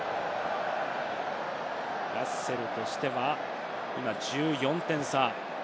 ラッセルとしては今１４点差。